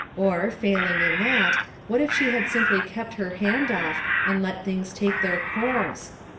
Or, failing in that, what if she had simply kept her hand off and let things take JUSTICE OR MERCY? 233 their course?